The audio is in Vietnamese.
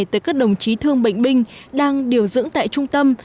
tới các đồng chí thương bệnh binh đang điều dưỡng tại trung tâm